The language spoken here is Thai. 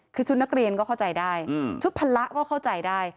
คือชุดนักเรียนก็เข้าใจได้ชุดพละก็เข้าใจได้